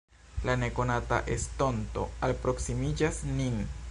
La nekonata estonto alproksimiĝas nin.